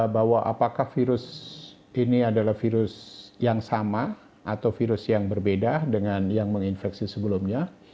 bahwa apakah virus ini adalah virus yang sama atau virus yang berbeda dengan yang menginfeksi sebelumnya